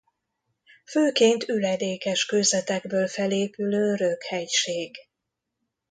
Főként üledékes kőzetekből felépülő röghegység.